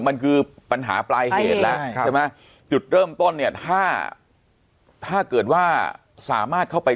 มันคือปัญหาปลายเหตุแล้วใช่ไหมจุดเริ่มต้นเนี่ยถ้าถ้าเกิดว่าสามารถเข้าไป